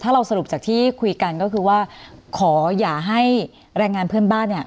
ถ้าเราสรุปจากที่คุยกันก็คือว่าขออย่าให้แรงงานเพื่อนบ้านเนี่ย